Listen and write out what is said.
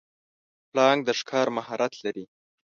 پړانګ د ښکار مهارت لري.